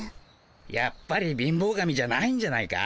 やっぱり貧乏神じゃないんじゃないか？